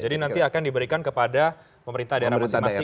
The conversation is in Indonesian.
jadi nanti akan diberikan kepada pemerintah daerah masing masing